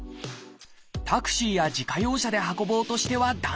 タクシーや自家用車で運ぼうとしては駄目。